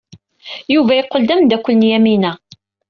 Yuba yeqqel d ameddakel n Yamina.